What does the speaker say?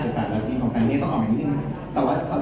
สุดท้ายก็ไม่มีเวลาที่จะรักกับที่อยู่ในภูมิหน้า